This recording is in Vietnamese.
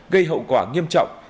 gây hậu quả nghiêm trọng